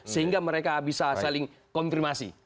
sehingga mereka bisa saling konfirmasi